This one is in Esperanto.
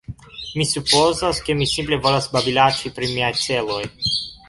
Mi supozas, ke mi simple volas babilaĉi pri miaj celoj.